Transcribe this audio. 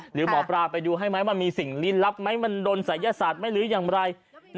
หรือหมอปลาไปดูให้มั้ยมันมีสิ่งลิ้นลับมั้ยมันโดนศัยศาสตร์มั้ยหรือยังไร